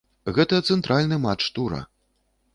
Гэта цэнтральны матч тура.